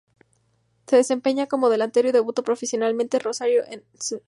Se desempeñaba como delantero y debutó profesionalmente en Rosario Central.